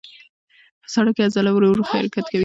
په ساړه کې عضلې ورو حرکت کوي.